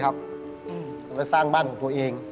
ไปสร้างบ้านของตัวเอง